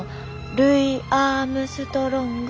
ルイ・アームストロング？